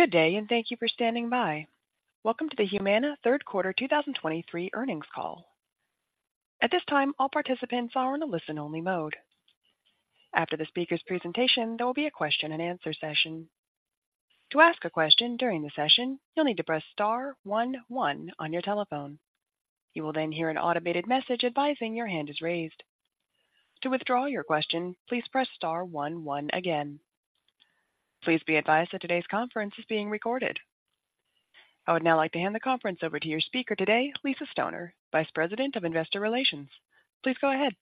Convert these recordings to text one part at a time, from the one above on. Good day, and thank you for standing by. Welcome to the Humana third quarter 2023 earnings call. At this time, all participants are in a listen-only mode. After the speaker's presentation, there will be a question-and-answer session. To ask a question during the session, you'll need to press Star one one on your telephone. You will then hear an automated message advising your hand is raised. To withdraw your question, please press Star one one again. Please be advised that today's conference is being recorded. I would now like to hand the conference over to your speaker today, Lisa Stoner, Vice President of Investor Relations. Please go ahead.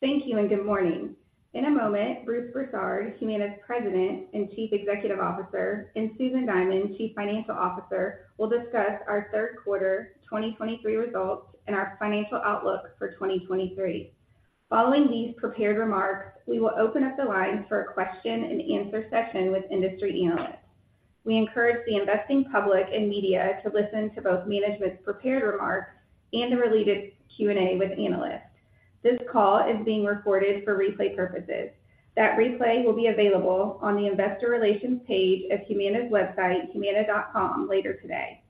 Thank you, and good morning. In a moment, Bruce Broussard, Humana's President and Chief Executive Officer, and Susan Diamond, Chief Financial Officer, will discuss our third quarter 2023 results and our financial outlook for 2023. Following these prepared remarks, we will open up the line for a question-and-answer session with industry analysts. We encourage the investing public and media to listen to both management's prepared remarks and the related Q&A with analysts. This call is being recorded for replay purposes. That replay will be available on the investor relations page of Humana's website, humana.com, later today.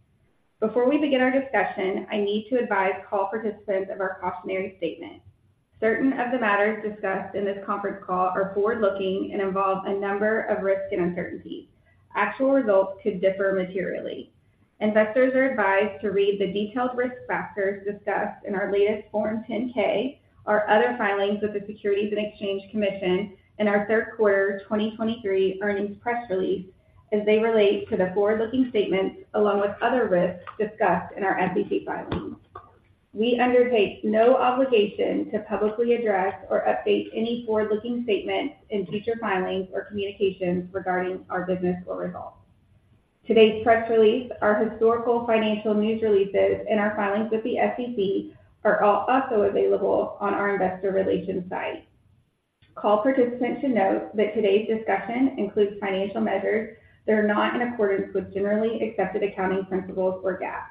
Before we begin our discussion, I need to advise call participants of our cautionary statement. Certain of the matters discussed in this conference call are forward-looking and involve a number of risks and uncertainties. Actual results could differ materially. Investors are advised to read the detailed risk factors discussed in our latest Form 10-K, or other filings with the Securities and Exchange Commission in our third quarter 2023 earnings press release as they relate to the forward-looking statements, along with other risks discussed in our SEC filings. We undertake no obligation to publicly address or update any forward-looking statements in future filings or communications regarding our business or results. Today's press release, our historical financial news releases, and our filings with the SEC are all also available on our investor relations site. Call participants should note that today's discussion includes financial measures that are not in accordance with generally accepted accounting principles or GAAP.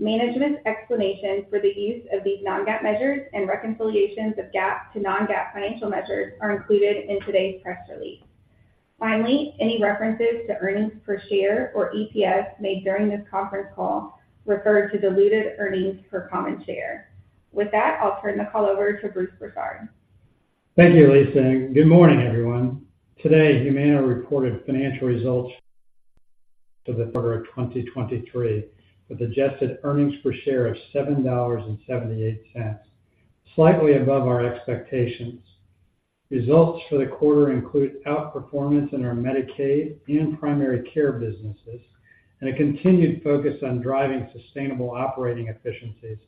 Management's explanation for the use of these non-GAAP measures and reconciliations of GAAP to non-GAAP financial measures are included in today's press release. Finally, any references to earnings per share or EPS made during this conference call refer to diluted earnings per common share. With that, I'll turn the call over to Bruce Broussard. Thank you, Lisa, and good morning, everyone. Today, Humana reported financial results for the quarter of 2023, with adjusted earnings per share of $7.78, slightly above our expectations. Results for the quarter include outperformance in our Medicaid and Primary Care businesses, and a continued focus on driving sustainable operating efficiencies,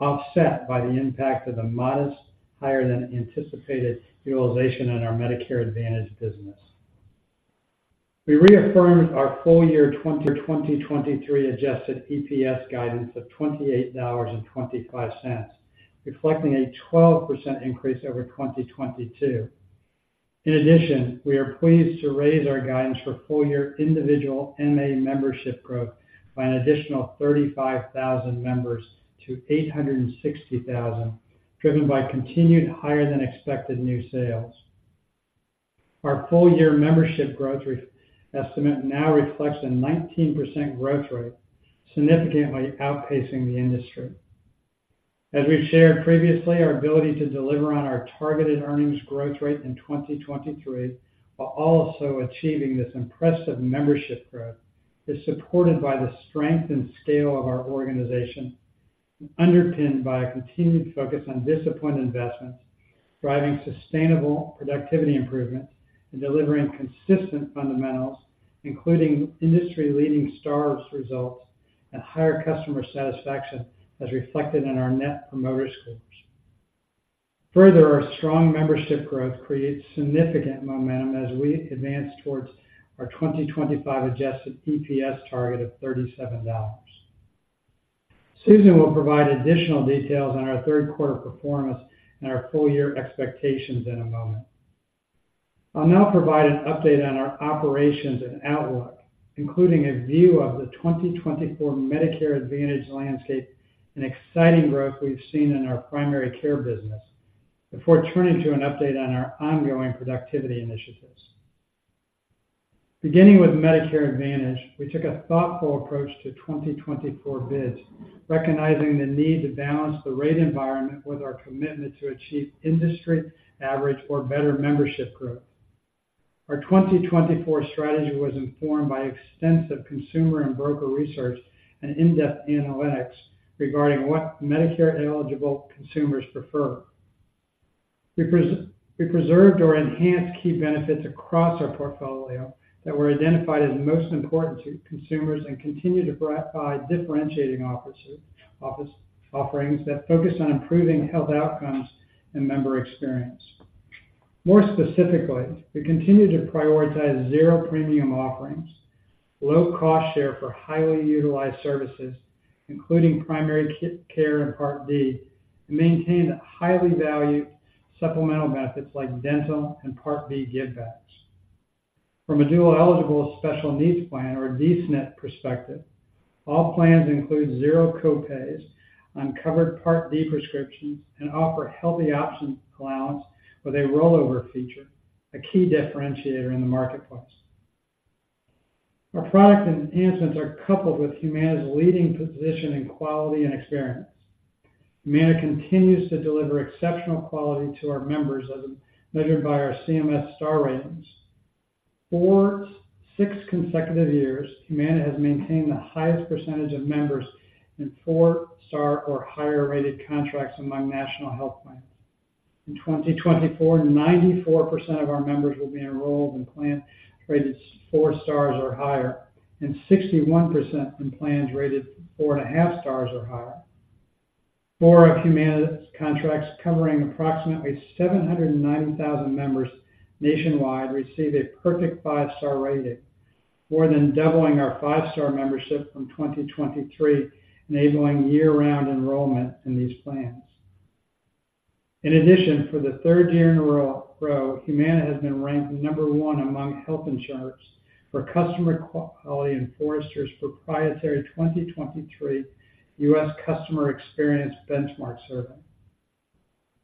offset by the impact of a modest higher than anticipated utilization on our Medicare Advantage business. We reaffirmed our full-year 2023 adjusted EPS guidance of $28.25, reflecting a 12% increase over 2022. In addition, we are pleased to raise our guidance for full-year individual MA membership growth by an additional 35,000 members to 860,000, driven by continued higher than expected new sales. Our full-year membership growth rate estimate now reflects a 19% growth rate, significantly outpacing the industry. As we've shared previously, our ability to deliver on our targeted earnings growth rate in 2023, while also achieving this impressive membership growth, is supported by the strength and scale of our organization, underpinned by a continued focus on disciplined investments, driving sustainable productivity improvement, and delivering consistent fundamentals, including industry-leading Star results and higher customer satisfaction, as reflected in our Net Promoter Scores. Further, our strong membership growth creates significant momentum as we advance towards our 2025 adjusted EPS target of $37. Susan will provide additional details on our third quarter performance and our full-year expectations in a moment. I'll now provide an update on our operations and outlook, including a view of the 2024 Medicare Advantage landscape and exciting growth we've seen in our Primary Care business before turning to an update on our ongoing productivity initiatives. Beginning with Medicare Advantage, we took a thoughtful approach to 2024 bids, recognizing the need to balance the rate environment with our commitment to achieve industry average or better membership growth. Our 2024 strategy was informed by extensive consumer and broker research and in-depth analytics regarding what Medicare-eligible consumers prefer. We preserved or enhanced key benefits across our portfolio that were identified as most important to consumers and continue to provide differentiating office offerings that focus on improving health outcomes and member experience. More specifically, we continue to prioritize zero premium offerings, low cost share for highly utilized services, including primary care and Part D, and maintain the highly valued supplemental benefits like dental and Part B givebacks. From a Dual-Eligible Special Needs Plan or D-SNP perspective,... All plans include zero copays on covered Part D prescriptions and offer healthy options allowance with a rollover feature, a key differentiator in the marketplace. Our product enhancements are coupled with Humana's leading position in quality and experience. Humana continues to deliver exceptional quality to our members as measured by our CMS Star Ratings. For six consecutive years, Humana has maintained the highest percentage of members in four-star or higher-rated contracts among national health plans. In 2024, 94% of our members will be enrolled in plans rated 4 Stars or higher, and 61% in plans rated 4.5 Stars or higher. Four of Humana's contracts, covering approximately 790,000 members nationwide, received a perfect 5 Star Rating, more than doubling our five-star membership from 2023, enabling year-round enrollment in these plans. In addition, for the third year in a row, Humana has been ranked number one among health insurers for customer quality in Forrester's proprietary 2023 U.S. Customer Experience Benchmark Survey.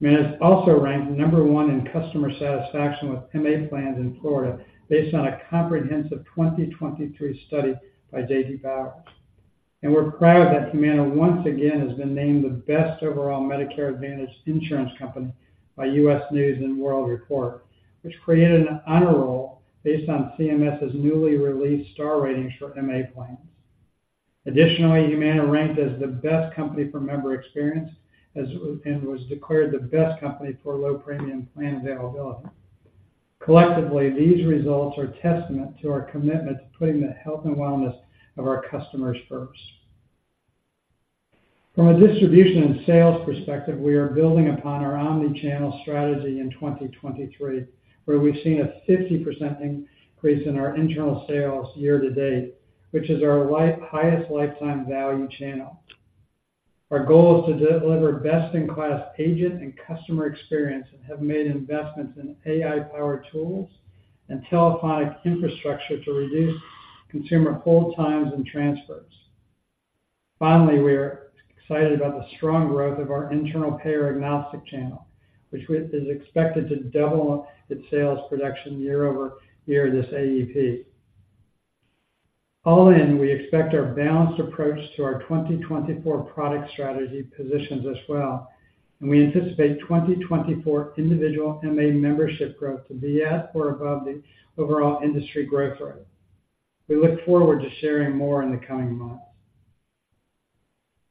Humana is also ranked number one in customer satisfaction with MA plans in Florida, based on a comprehensive 2023 study by J.D. Power. We're proud that Humana, once again, has been named the best overall Medicare Advantage insurance company by U.S. News & World Report, which created an honor roll based on CMS's newly released Star Ratings for MA plans. Additionally, Humana ranked as the best company for member experience and was declared the best company for low premium plan availability. Collectively, these results are testament to our commitment to putting the health and wellness of our customers first. From a distribution and sales perspective, we are building upon our omni-channel strategy in 2023, where we've seen a 50% increase in our internal sales year-to-date, which is our highest lifetime value channel. Our goal is to deliver best-in-class agent and customer experience, and have made investments in AI-powered tools and telephonic infrastructure to reduce consumer hold times and transfers. Finally, we are excited about the strong growth of our internal payer agnostic channel, which is expected to double its sales production year over year, this AEP. All in, we expect our balanced approach to our 2024 product strategy positions as well, and we anticipate 2024 individual MA membership growth to be at or above the overall industry growth rate. We look forward to sharing more in the coming months.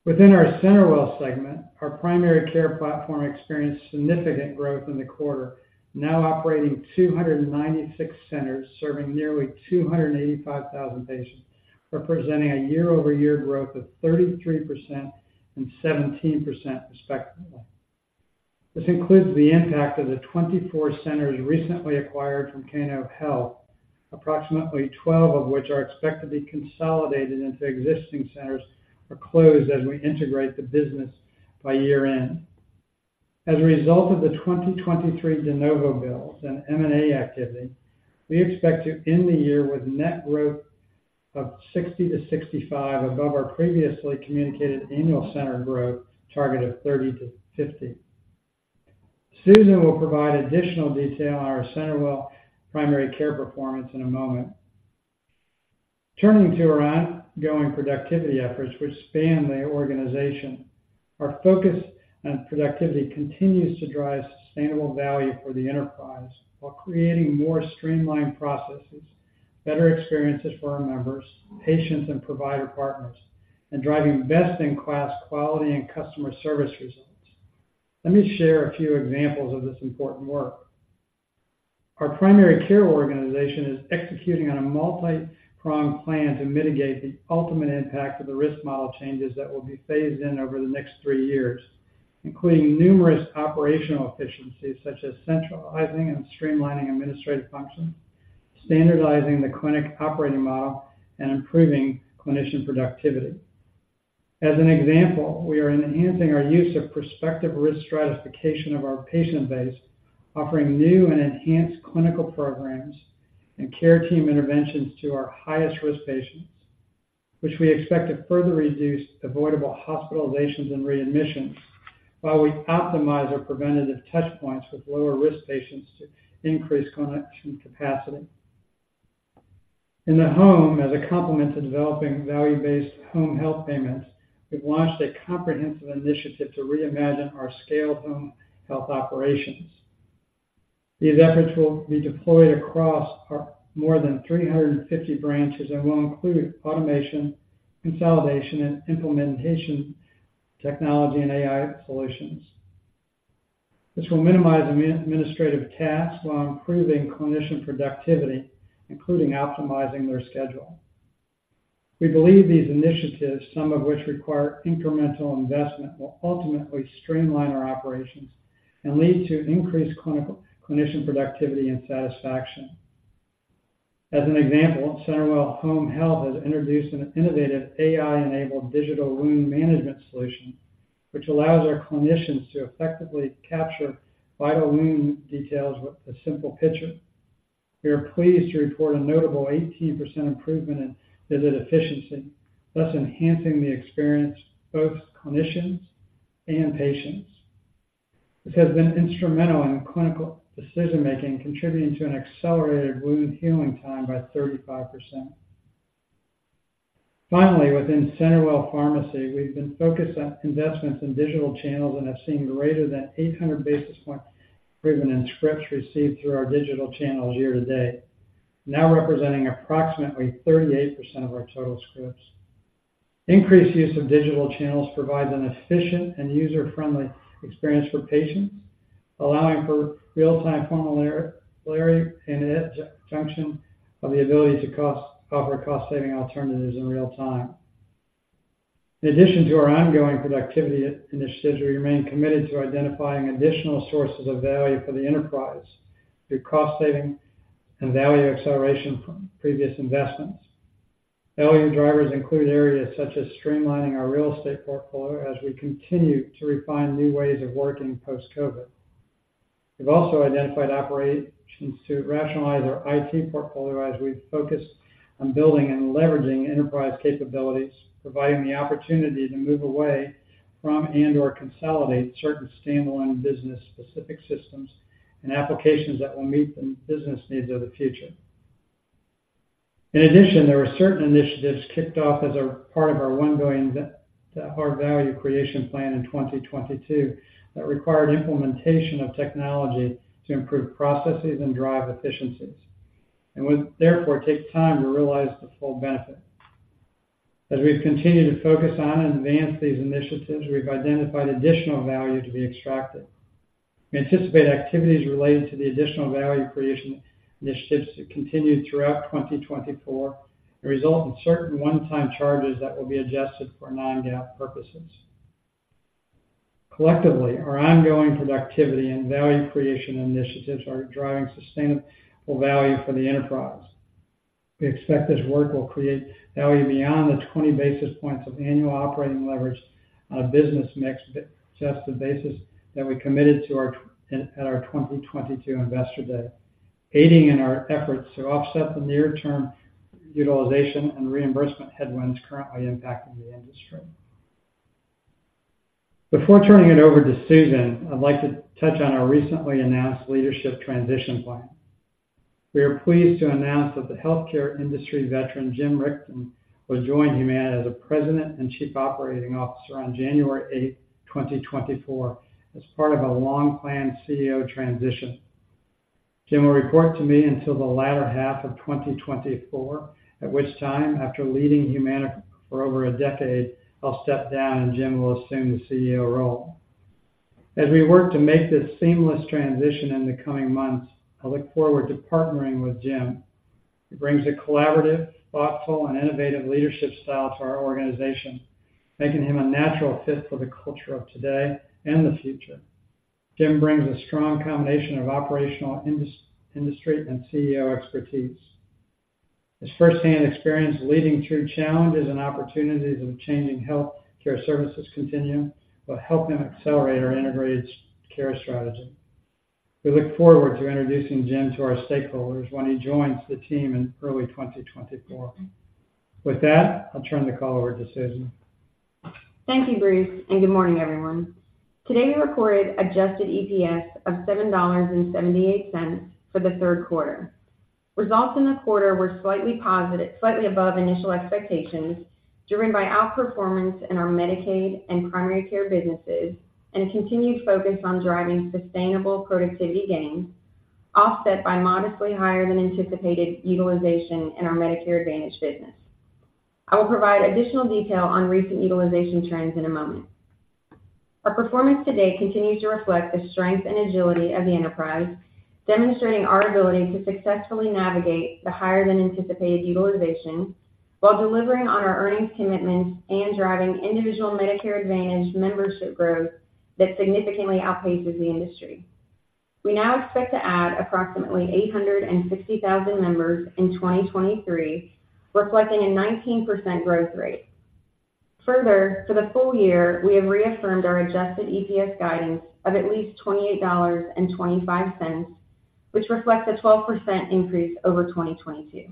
Within our CenterWell segment, our Primary Care platform experienced significant growth in the quarter, now operating 296 centers, serving nearly 285,000 patients, representing a year-over-year growth of 33% and 17%, respectively. This includes the impact of the 24 centers recently acquired from Cano Health, approximately 12 of which are expected to be consolidated into existing centers or closed as we integrate the business by year-end. As a result of the 2023 de novo builds and M&A activity, we expect to end the year with net growth of 60-65 above our previously communicated annual center growth target of 30-50. Susan will provide additional detail on our CenterWell Primary Care performance in a moment. Turning to our ongoing productivity efforts, which span the organization. Our focus on productivity continues to drive sustainable value for the enterprise while creating more streamlined processes, better experiences for our members, patients, and provider partners, and driving best-in-class quality and customer service results. Let me share a few examples of this important work. Our Primary Care organization is executing on a multipronged plan to mitigate the ultimate impact of the risk model changes that will be phased in over the next 3 years, including numerous operational efficiencies such as centralizing and streamlining administrative functions, standardizing the clinic operating model, and improving clinician productivity. As an example, we are enhancing our use of prospective risk stratification of our patient base, offering new and enhanced clinical programs and care team interventions to our highest-risk patients, which we expect to further reduce avoidable hospitalizations and readmissions, while we optimize our preventative touch points with lower-risk patients to increase clinician capacity. In the home, as a complement to developing value-based home health payments, we've launched a comprehensive initiative to reimagine our Skilled Home Health Operations. These efforts will be deployed across our more than 350 branches and will include automation, consolidation, and implementation technology and AI solutions. This will minimize administrative tasks while improving clinician productivity, including optimizing their schedule. We believe these initiatives, some of which require incremental investment, will ultimately streamline our operations and lead to increased clinician productivity and satisfaction. As an example, CenterWell Home Health has introduced an innovative AI-enabled digital wound management solution, which allows our clinicians to effectively capture vital wound details with a simple picture.... We are pleased to report a notable 18% improvement in visit efficiency, thus enhancing the experience of both clinicians and patients. This has been instrumental in clinical decision-making, contributing to an accelerated wound healing time by 35%. Finally, within CenterWell Pharmacy, we've been focused on investments in digital channels and have seen greater than 800 basis point improvement in scripts received through our digital channels year-to-date, now representing approximately 38% of our total scripts. Increased use of digital channels provides an efficient and user-friendly experience for patients, allowing for real-time formulary and in conjunction with the ability to offer cost-saving alternatives in real time. In addition to our ongoing productivity initiatives, we remain committed to identifying additional sources of value for the enterprise through cost saving and value acceleration from previous investments. Value drivers include areas such as streamlining our real estate portfolio as we continue to refine new ways of working post-COVID. We've also identified operations to rationalize our IT portfolio as we focus on building and leveraging enterprise capabilities, providing the opportunity to move away from and/or consolidate certain standalone business-specific systems and applications that will meet the business needs of the future. In addition, there were certain initiatives kicked off as a part of our ongoing value creation plan in 2022, that required implementation of technology to improve processes and drive efficiencies, and would therefore take time to realize the full benefit. As we've continued to focus on and advance these initiatives, we've identified additional value to be extracted. We anticipate activities related to the additional value creation initiatives to continue throughout 2024, and result in certain one-time charges that will be adjusted for non-GAAP purposes. Collectively, our ongoing productivity and value creation initiatives are driving sustainable value for the enterprise. We expect this work will create value beyond the 20 basis points of annual operating leverage on a business mix adjusted basis that we committed to in our 2022 Investor Day, aiding in our efforts to offset the near-term utilization and reimbursement headwinds currently impacting the industry. Before turning it over to Susan, I'd like to touch on our recently announced leadership transition plan. We are pleased to announce that the healthcare industry veteran, Jim Rechtin, will join Humana as President and Chief Operating Officer on January 8th, 2024, as part of a long-planned CEO transition. Jim will report to me until the latter half of 2024, at which time, after leading Humana for over a decade, I'll step down, and Jim will assume the CEO role. As we work to make this seamless transition in the coming months, I look forward to partnering with Jim. He brings a collaborative, thoughtful, and innovative leadership style to our organization, making him a natural fit for the culture of today and the future. Jim brings a strong combination of operational industry and CEO expertise. His firsthand experience leading through challenges and opportunities of the changing healthcare services continuum will help him accelerate our integrated care strategy. We look forward to introducing Jim to our stakeholders when he joins the team in early 2024. With that, I'll turn the call over to Susan. Thank you, Bruce, and good morning, everyone. Today, we recorded adjusted EPS of $7.78 for the third quarter. Results in the quarter were slightly positive, slightly above initial expectations, driven by outperformance in our Medicaid and Primary Care businesses, and a continued focus on driving sustainable productivity gains, offset by modestly higher than anticipated utilization in our Medicare Advantage business. I will provide additional detail on recent utilization trends in a moment. Our performance to date continues to reflect the strength and agility of the enterprise, demonstrating our ability to successfully navigate the higher than anticipated utilization while delivering on our earnings commitments and driving individual Medicare Advantage membership growth that significantly outpaces the industry. We now expect to add approximately 860,000 members in 2023, reflecting a 19% growth rate. Further, for the full-year, we have reaffirmed our adjusted EPS guidance of at least $28.25, which reflects a 12% increase over 2022.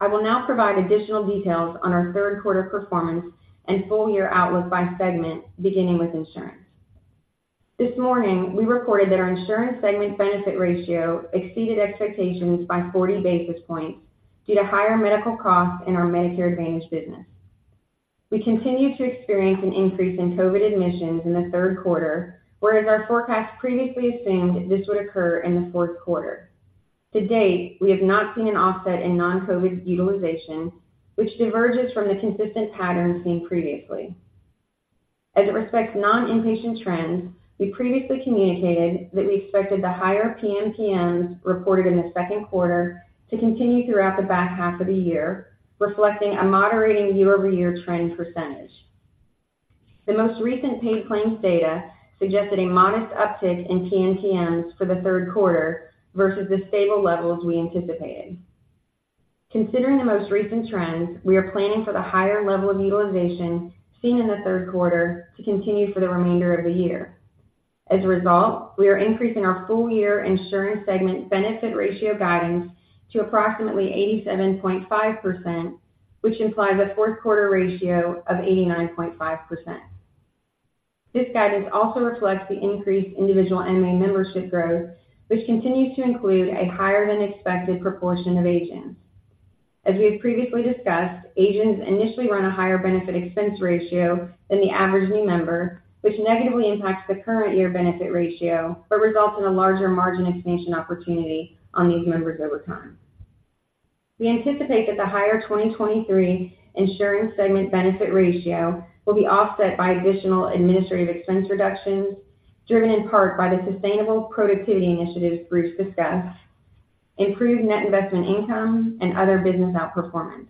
I will now provide additional details on our third quarter performance and full-year outlook by segment, beginning with insurance. This morning, we reported that our Insurance segment benefit ratio exceeded expectations by 40 basis points due to higher medical costs in our Medicare Advantage business. We continued to experience an increase in COVID admissions in the third quarter, whereas our forecast previously assumed this would occur in the fourth quarter. To date, we have not seen an offset in non-COVID utilization, which diverges from the consistent pattern seen previously. As it respects non-inpatient trends, we previously communicated that we expected the higher PMPMs reported in the second quarter to continue throughout the back half of the year, reflecting a moderating year-over-year trend percentage. The most recent paid claims data suggested a modest uptick in PMPMs for the third quarter versus the stable levels we anticipated. Considering the most recent trends, we are planning for the higher level of utilization seen in the third quarter to continue for the remainder of the year. As a result, we are increasing our full-year insurance segment benefit ratio guidance to approximately 87.5%, which implies a fourth quarter ratio of 89.5%. This guidance also reflects the increased individual MA membership growth, which continues to include a higher than expected proportion of age-ins. As we have previously discussed, age-ins initially run a higher benefit expense ratio than the average new member, which negatively impacts the current year benefit ratio, but results in a larger margin expansion opportunity on these members over time. We anticipate that the higher 2023 insurance segment benefit ratio will be offset by additional administrative expense reductions, driven in part by the sustainable productivity initiatives Bruce discussed, improved net investment income, and other business outperformance.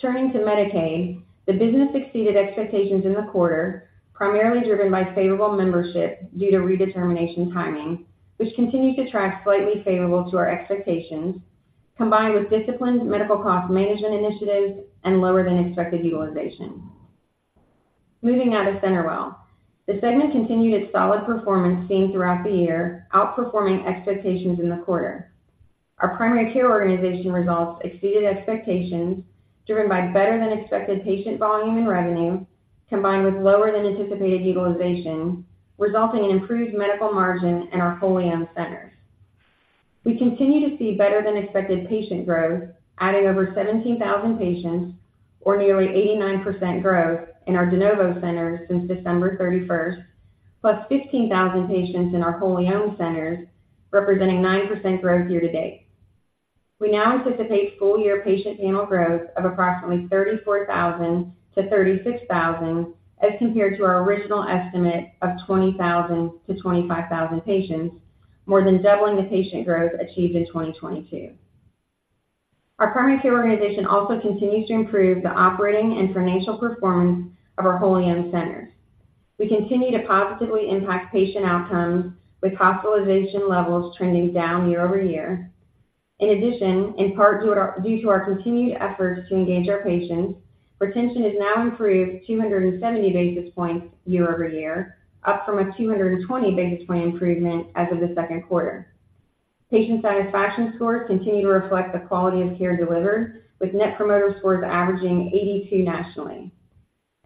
Turning to Medicaid, the business exceeded expectations in the quarter, primarily driven by favorable membership due to redetermination timing, which continues to track slightly favorable to our expectations, combined with disciplined medical cost management initiatives and lower than expected utilization. Moving now to CenterWell. The segment continued its solid performance seen throughout the year, outperforming expectations in the quarter. Our Primary Care organization results exceeded expectations, driven by better than expected patient volume and revenue, combined with lower than anticipated utilization, resulting in improved medical margin in our wholly owned centers. We continue to see better than expected patient growth, adding over 17,000 patients, or nearly 89% growth in our de novo centers since December 31st, +15,000 patients in our wholly owned centers, representing 9% growth year-to-date. We now anticipate full-year patient panel growth of approximately 34,000-36,000, as compared to our original estimate of 20,000-25,000 patients, more than doubling the patient growth achieved in 2022. Our Primary Care organization also continues to improve the operating and financial performance of our wholly owned centers. We continue to positively impact patient outcomes, with hospitalization levels trending down year-over-year. In addition, in part due to our continued efforts to engage our patients, retention has now improved 270 basis points year-over-year, up from a 220 basis point improvement as of the second quarter. Patient satisfaction scores continue to reflect the quality of care delivered, with Net Promoter Scores averaging 82 nationally.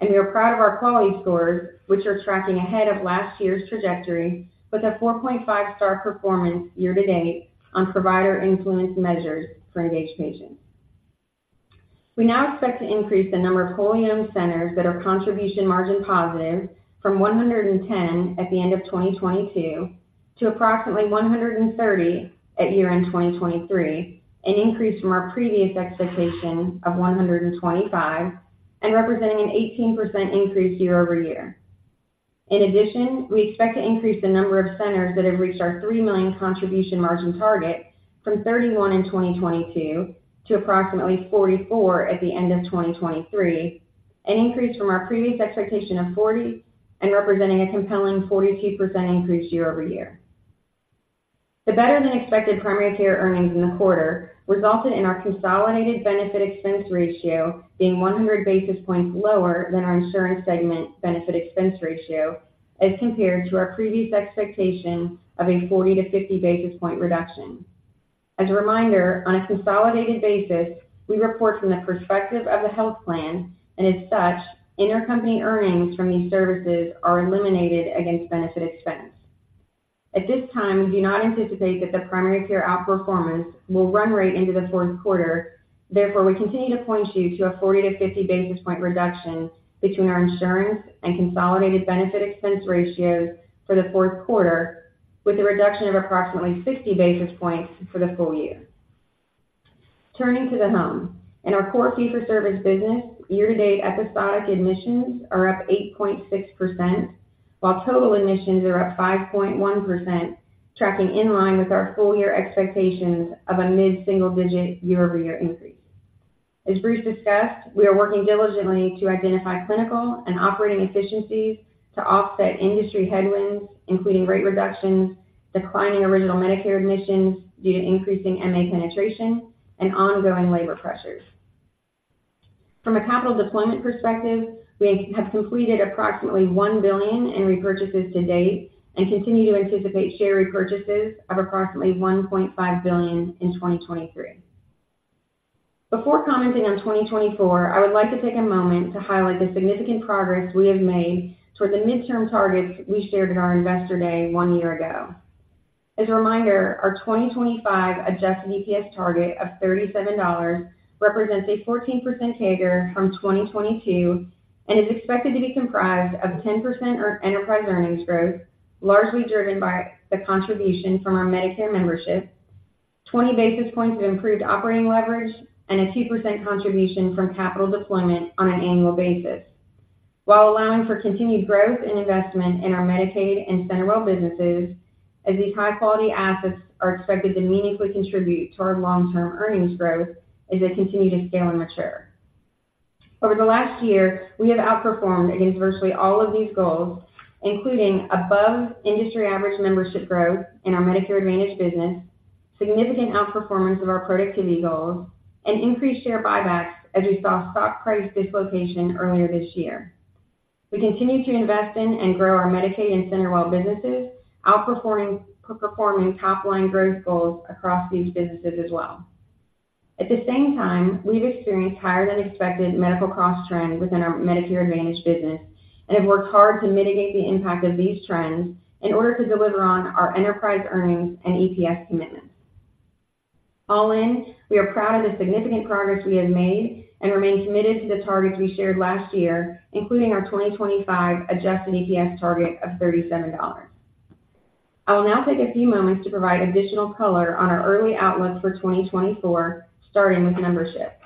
We are proud of our quality scores, which are tracking ahead of last year's trajectory, with a 4.5 Star performance year to date on provider influence measures for engaged patients. We now expect to increase the number of wholly owned centers that are contribution margin positive from 110 at the end of 2022 to approximately 130 at year-end 2023, an increase from our previous expectation of 125, and representing an 18% increase year-over-year. In addition, we expect to increase the number of centers that have reached our $3 million contribution margin target from 31 in 2022 to approximately 44 at the end of 2023, an increase from our previous expectation of 40, and representing a compelling 42% increase year-over-year. The better-than-expected Primary Care earnings in the quarter resulted in our consolidated benefit expense ratio being 100 basis points lower than our Insurance segment benefit expense ratio as compared to our previous expectation of a 40-50 basis point reduction. As a reminder, on a consolidated basis, we report from the perspective of the health plan, and as such, intercompany earnings from these services are eliminated against benefit expense. At this time, we do not anticipate that the primary care outperformance will run right into the fourth quarter. Therefore, we continue to point you to a 40-50 basis point reduction between our insurance and consolidated benefit expense ratios for the fourth quarter, with a reduction of approximately 60 basis points for the full-year. Turning to the home. In our core fee-for-service business, year-to-date episodic admissions are up 8.6%, while total admissions are up 5.1%, tracking in line with our full-year expectations of a mid-single digit year-over-year increase. As Bruce discussed, we are working diligently to identify clinical and operating efficiencies to offset industry headwinds, including rate reductions, declining Original Medicare admissions due to increasing MA penetration, and ongoing labor pressures. From a capital deployment perspective, we have completed approximately $1 billion in repurchases to date and continue to anticipate share repurchases of approximately $1.5 billion in 2023. Before commenting on 2024, I would like to take a moment to highlight the significant progress we have made toward the mid-term targets we shared at our Investor Day one year ago. As a reminder, our 2025 adjusted EPS target of $37 represents a 14% CAGR from 2022, and is expected to be comprised of 10% enterprise earnings growth, largely driven by the contribution from our Medicare membership, 20 basis points of improved operating leverage, and a 2% contribution from capital deployment on an annual basis, while allowing for continued growth and investment in our Medicaid and CenterWell businesses, as these high quality assets are expected to meaningfully contribute to our long-term earnings growth as they continue to scale and mature.... Over the last year, we have outperformed against virtually all of these goals, including above industry average membership growth in our Medicare Advantage business, significant outperformance of our productivity goals, and increased share buybacks as we saw stock price dislocation earlier this year. We continue to invest in and grow our Medicaid and CenterWell businesses, outperforming top-line growth goals across these businesses as well. At the same time, we've experienced higher-than-expected medical cost trends within our Medicare Advantage business and have worked hard to mitigate the impact of these trends in order to deliver on our Enterprise earnings and EPS commitments. All in, we are proud of the significant progress we have made and remain committed to the targets we shared last year, including our 2025 adjusted EPS target of $37. I will now take a few moments to provide additional color on our early outlook for 2024, starting with membership.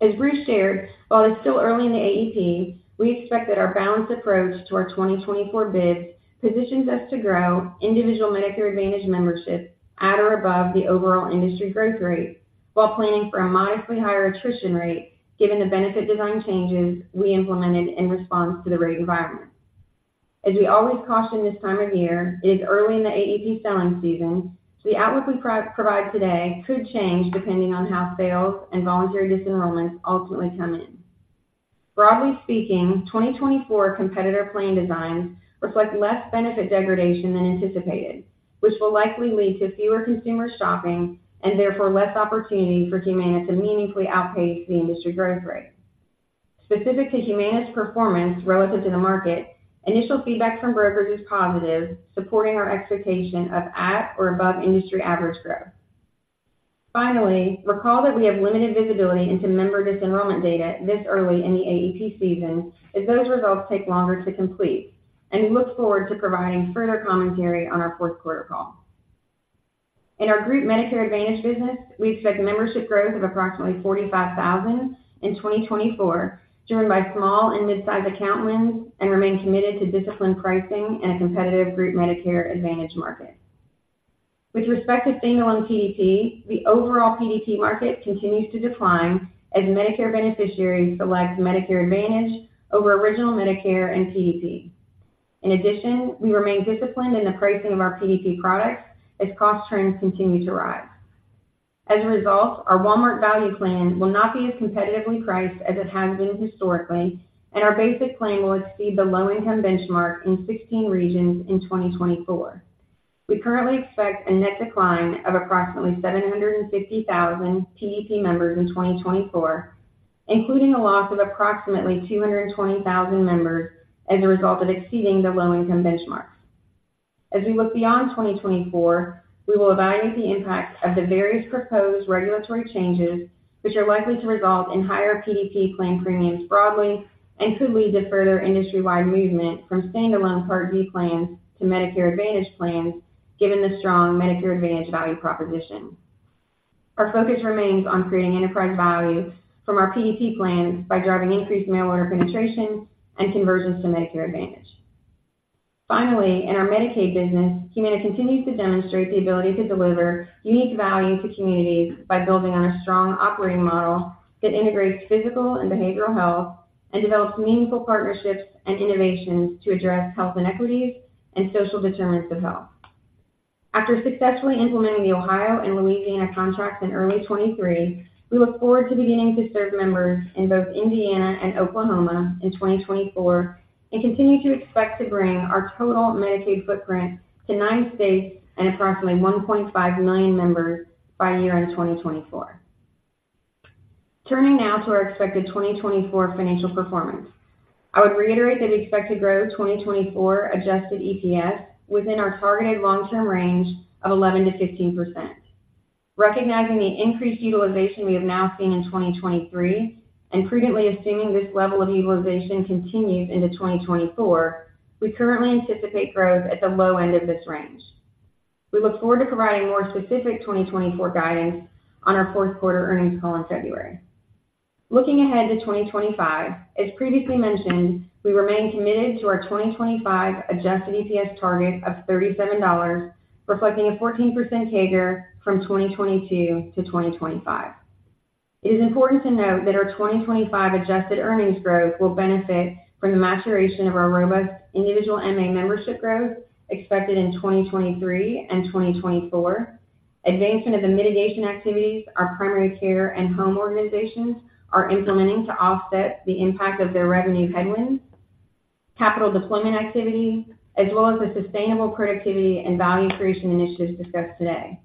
As Bruce shared, while it's still early in the AEP, we expect that our balanced approach to our 2024 bids positions us to grow individual Medicare Advantage membership at or above the overall industry growth rate, while planning for a modestly higher attrition rate, given the benefit design changes we implemented in response to the rate environment. As we always caution this time of year, it is early in the AEP selling season, so the outlook we provide today could change depending on how sales and voluntary disenrollments ultimately come in. Broadly speaking, 2024 competitor plan designs reflect less benefit degradation than anticipated, which will likely lead to fewer consumers shopping and therefore less opportunity for Humana to meaningfully outpace the industry growth rate. Specific to Humana's performance relative to the market, initial feedback from brokers is positive, supporting our expectation of at or above industry average growth. Finally, recall that we have limited visibility into member disenrollment data this early in the AEP season, as those results take longer to complete, and we look forward to providing further commentary on our fourth quarter call. In our group Medicare Advantage business, we expect membership growth of approximately 45,000 in 2024, driven by small and mid-sized account wins, and remain committed to disciplined pricing in a competitive group Medicare Advantage market. With respect to standalone PDP, the overall PDP market continues to decline as Medicare beneficiaries select Medicare Advantage over Original Medicare and PDP. In addition, we remain disciplined in the pricing of our PDP products as cost trends continue to rise. As a result, our Walmart Value Plan will not be as competitively priced as it has been historically, and our basic plan will exceed the Low-Income Benchmark in 16 regions in 2024. We currently expect a net decline of approximately 750,000 PDP members in 2024, including a loss of approximately 220,000 members as a result of exceeding the low-income benchmarks. As we look beyond 2024, we will evaluate the impact of the various proposed regulatory changes, which are likely to result in higher PDP plan premiums broadly and could lead to further industry-wide movement from standalone Part D plans to Medicare Advantage plans, given the strong Medicare Advantage value proposition. Our focus remains on creating enterprise value from our PDP plans by driving increased mail order penetration and conversions to Medicare Advantage. Finally, in our Medicaid business, Humana continues to demonstrate the ability to deliver unique value to communities by building on a strong operating model that integrates physical and behavioral health and develops meaningful partnerships and innovations to address health inequities and social determinants of health. After successfully implementing the Ohio and Louisiana contracts in early 2023, we look forward to beginning to serve members in both Indiana and Oklahoma in 2024 and continue to expect to bring our total Medicaid footprint to nine states and approximately 1.5 million members by year-end 2024. Turning now to our expected 2024 financial performance. I would reiterate that we expect to grow 2024 adjusted EPS within our targeted long-term range of 11%-15%. Recognizing the increased utilization we have now seen in 2023 and prudently assuming this level of utilization continues into 2024, we currently anticipate growth at the low end of this range. We look forward to providing more specific 2024 guidance on our fourth quarter earnings call in February. Looking ahead to 2025, as previously mentioned, we remain committed to our 2025 adjusted EPS target of $37, reflecting a 14% CAGR from 2022-2025. It is important to note that our 2025 adjusted earnings growth will benefit from the maturation of our robust individual MA membership growth expected in 2023 and 2024, advancement of the mitigation activities our primary care and home organizations are implementing to offset the impact of their revenue headwinds, capital deployment activity, as well as the sustainable productivity and value creation initiatives discussed today.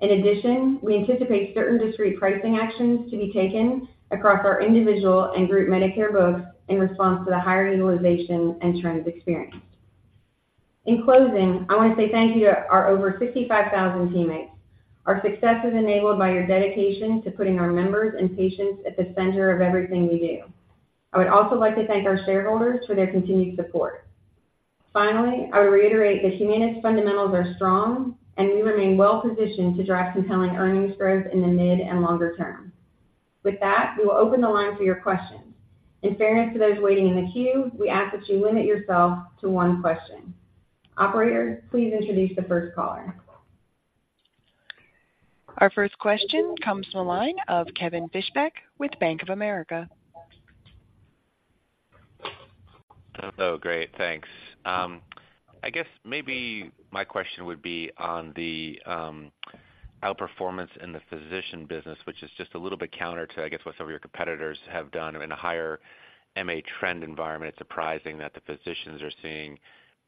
In addition, we anticipate certain discrete pricing actions to be taken across our Individual and Group Medicare books in response to the higher utilization and trends experienced. In closing, I want to say thank you to our over 55,000 teammates. Our success is enabled by your dedication to putting our members and patients at the center of everything we do. I would also like to thank our shareholders for their continued support. Finally, I would reiterate that Humana's fundamentals are strong, and we remain well positioned to drive compelling earnings growth in the mid and longer-term. With that, we will open the line for your questions. In fairness to those waiting in the queue, we ask that you limit yourself to one question. Operator, please introduce the first caller. Our first question comes from the line of Kevin Fischbeck with Bank of America. Hello, great, thanks. I guess maybe my question would be on the outperformance in the physician business, which is just a little bit counter to, I guess, what some of your competitors have done in a higher MA trend environment. It's surprising that the physicians are seeing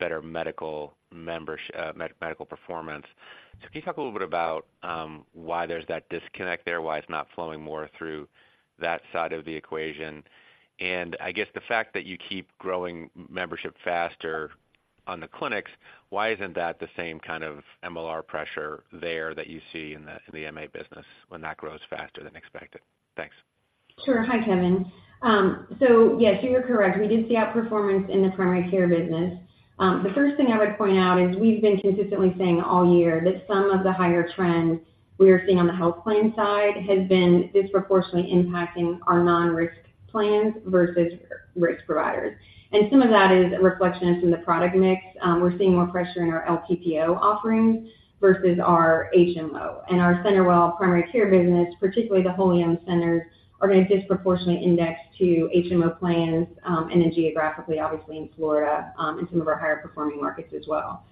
better medical membership, medical performance. So can you talk a little bit about why there's that disconnect there, why it's not flowing more through that side of the equation? And I guess the fact that you keep growing membership faster on the clinics, why isn't that the same kind of MLR pressure there that you see in the MA business when that grows faster than expected? Thanks. Sure. Hi, Kevin. So yes, you are correct. We did see outperformance in the Primary Care business. The first thing I would point out is we've been consistently saying all year that some of the higher trends we are seeing on the health plan side has been disproportionately impacting our non-risk plans versus risk providers. And some of that is a reflection that's in the product mix. We're seeing more pressure in our LPPO offerings versus our HMO. And our CenterWell primary care business, particularly the wholly owned centers, are going to disproportionately index to HMO plans, and then geographically, obviously, in Florida, and some of our higher performing markets as well.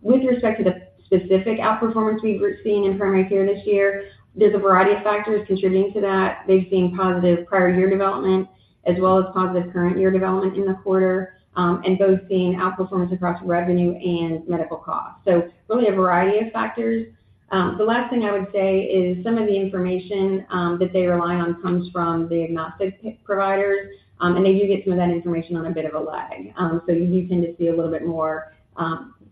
With respect to the specific outperformance we've seeing in primary care this year, there's a variety of factors contributing to that. They've seen positive prior year development as well as positive current year development in the quarter, and both seeing outperformance across revenue and medical costs. So really a variety of factors. The last thing I would say is some of the information that they rely on comes from the agnostic providers, and they do get some of that information on a bit of a lag. So you do tend to see a little bit more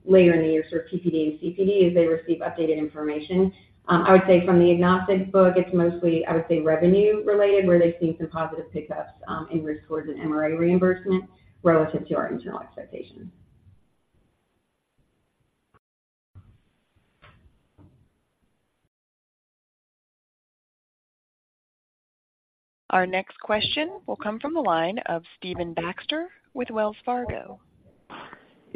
later in the year, sort of PPD and CPD, as they receive updated information. I would say from the agnostic book, it's mostly, I would say, revenue related, where they've seen some positive pickups in risk towards an MRA reimbursement relative to our internal expectations. Our next question will come from the line of Stephen Baxter with Wells Fargo.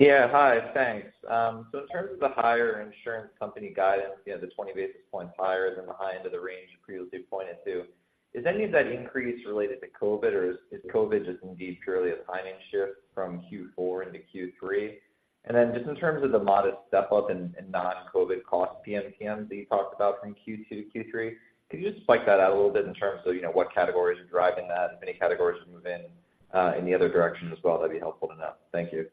Yeah. Hi, thanks. So in terms of the higher insurance company guidance, you know, the 20 basis points higher than the high end of the range you previously pointed to, is any of that increase related to COVID, or is COVID just indeed purely a timing shift from Q4 into Q3? And then just in terms of the modest step up in non-COVID cost PMPM that you talked about from Q2-Q3, could you just spike that out a little bit in terms of, you know, what categories are driving that? If any categories are moving in the other direction as well, that'd be helpful to know. Thank you.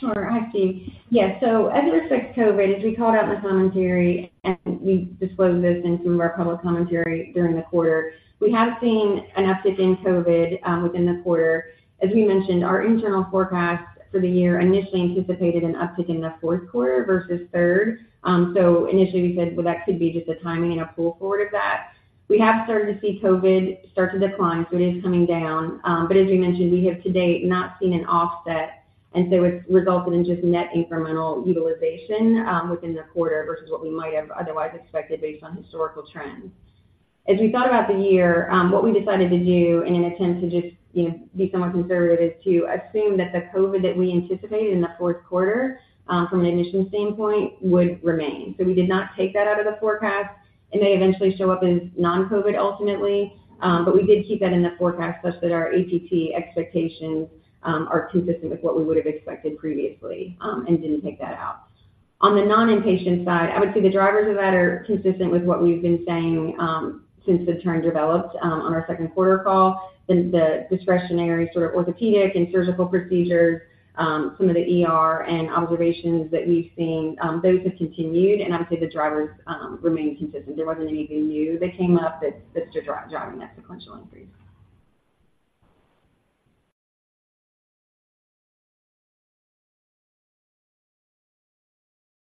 Sure. Hi, Steve. Yeah, so as it affects COVID, as we called out in the commentary, and we disclosed this in some of our public commentary during the quarter, we have seen an uptick in COVID within the quarter. As we mentioned, our internal forecast for the year initially anticipated an uptick in the fourth quarter versus third. So initially, we said, well, that could be just a timing and a pull forward of that. We have started to see COVID start to decline, so it is coming down. But as we mentioned, we have to date not seen an offset, and so it's resulted in just net incremental utilization within the quarter versus what we might have otherwise expected based on historical trends. As we thought about the year, what we decided to do in an attempt to just, you know, be somewhat conservative, is to assume that the COVID that we anticipated in the fourth quarter, from an initial standpoint, would remain. So we did not take that out of the forecast. It may eventually show up as non-COVID, ultimately, but we did keep that in the forecast such that our AEP expectations are consistent with what we would have expected previously, and didn't take that out. On the non-inpatient side, I would say the drivers of that are consistent with what we've been saying, since the turn developed, on our second quarter call. The discretionary sort of orthopedic and surgical procedures, some of the ER and observations that we've seen, those have continued, and I would say the drivers remain consistent. There wasn't anything new that came up that's driving that sequential increase.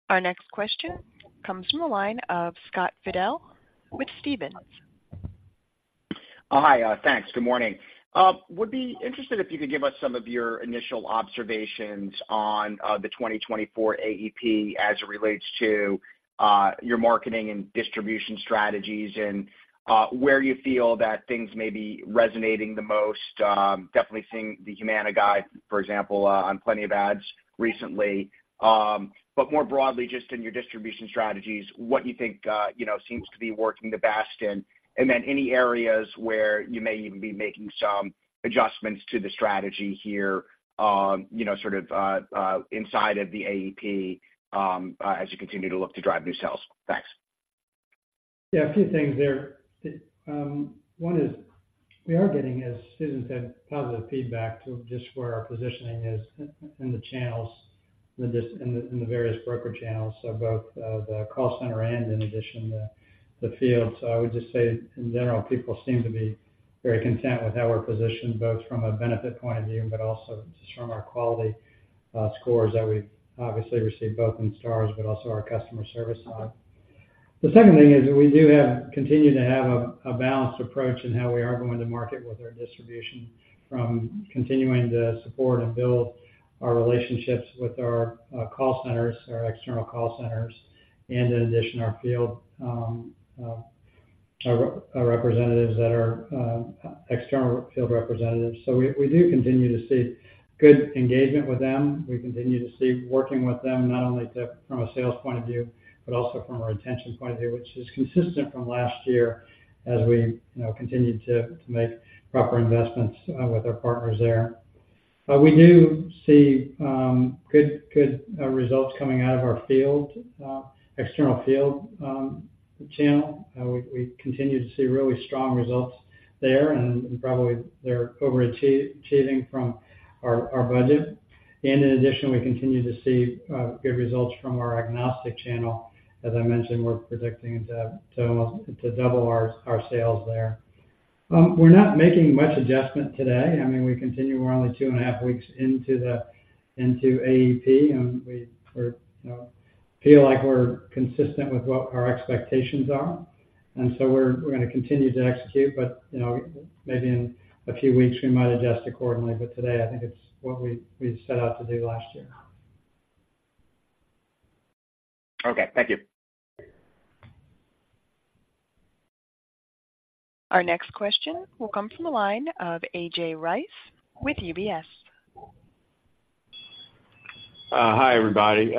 Our next question comes from the line of Scott Fidel with Stephens. Hi, thanks. Good morning. Would be interested if you could give us some of your initial observations on the 2024 AEP as it relates to your marketing and distribution strategies, and where you feel that things may be resonating the most. Definitely seeing the Humana guide, for example, on plenty of ads recently. But more broadly, just in your distribution strategies, what you think, you know, seems to be working the best, and then any areas where you may even be making some adjustments to the strategy here, you know, sort of inside of the AEP, as you continue to look to drive new sales. Thanks. Yeah, a few things there. One is we are getting, as Susan said, positive feedback to just where our positioning is in the channels, in the various broker channels, so both the call center and in addition the field. So I would just say, in general, people seem to be very content with how we're positioned, both from a benefit point of view, but also just from our quality scores that we've obviously received, both in Stars but also our customer service side. The second thing is, we do have continue to have a balanced approach in how we are going to market with our distribution, from continuing to support and build our relationships with our call centers, our external call centers, and in addition, our field, our representatives that are external field representatives. So we do continue to see good engagement with them. We continue to see working with them, not only to, from a sales point of view, but also from a retention point of view, which is consistent from last year as we, you know, continued to make proper investments with our partners there. But we do see good results coming out of our field external field channel. We continue to see really strong results there, and probably they're overachieving from our budget. And in addition, we continue to see good results from our agnostic channel. As I mentioned, we're predicting to almost double our sales there. We're not making much adjustment today. I mean, we continue; we're only 2.5 weeks into AEP, and we're, you know, feel like we're consistent with what our expectations are. And so we're, we're gonna continue to execute, but, you know, maybe in a few weeks, we might adjust accordingly. But today, I think it's what we, we set out to do last year. Okay. Thank you. Our next question will come from the line of A.J. Rice with UBS. Hi, everybody.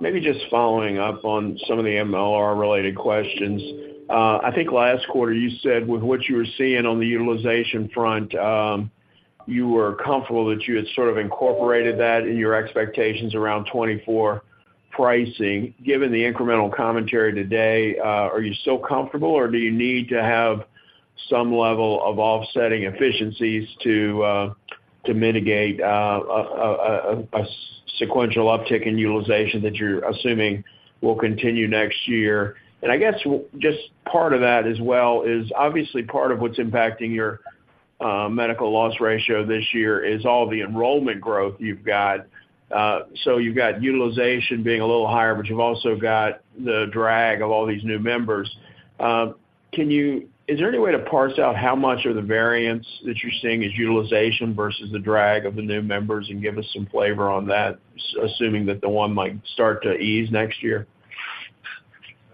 Maybe just following up on some of the MLR-related questions. I think last quarter you said with what you were seeing on the utilization front, you were comfortable that you had sort of incorporated that in your expectations around 2024 pricing. Given the incremental commentary today, are you still comfortable, or do you need to have some level of offsetting efficiencies to to mitigate a sequential uptick in utilization that you're assuming will continue next year? And I guess just part of that as well is, obviously, sort of what's impacting your medical loss ratio this year is all the enrollment growth you've got. So you've got utilization being a little higher, but you've also got the drag of all these new members. Can you Is there any way to parse out how much of the variance that you're seeing is utilization versus the drag of the new members, and give us some flavor on that, assuming that the one might start to ease next year?